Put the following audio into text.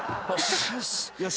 よし。